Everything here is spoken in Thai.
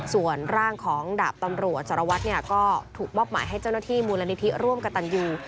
ส่วนร่างของดาบตำรวจสารวัตรก็ถูกมอบหมายให้เจ้าหน้าที่มูลนิธิร่วมกับตันยู